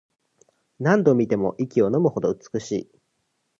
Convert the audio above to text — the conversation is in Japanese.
何度見ても息をのむほど美しい